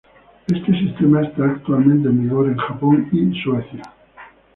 Este sistema está actualmente en vigor en Japón y Suecia.